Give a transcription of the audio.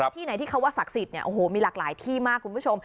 ที่ไหนที่เขาว่าศักดิ์สิทธิ์เนี่ยโอ้โหมีหลากหลายที่มากคุณผู้ชม